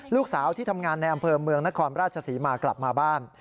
ลูกสาวที่ทำงานในอำเภอเมืองนครราชศรีมากลับมาบ้าน